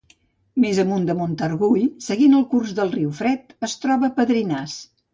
Més amunt de Montargull, seguint el curs del riu Fred es troba Padrinàs.